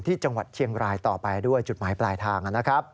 ที่จังหวัดเชียงรายต่อไปด้วยจุดหมายปลายทางนะครับ